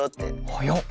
はやっ！